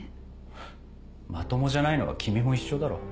フッまともじゃないのは君も一緒だろう。